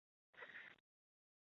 库菲人口变化图示